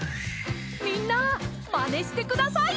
みんなまねしてください。